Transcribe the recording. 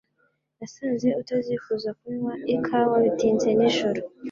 Nasanze utazifuza kunywa ikawa bitinze nijoro.